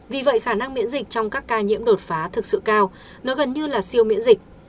vì vậy khả năng miễn dịch trong các ca nhiễm đột phá thực sự cao nó gần như là siêu miễn dịch